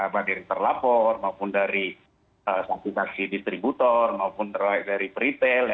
dari terlapor maupun dari sasifasi distributor maupun dari retail